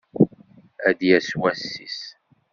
Ad d-yas wass-is.